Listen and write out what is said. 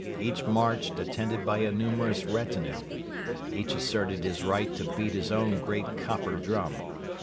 Each marched attended by a numerous retinue. Each asserted his right to beat his own great copper drum.